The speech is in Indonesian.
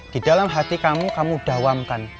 di dalam hati kamu kamu dawamkan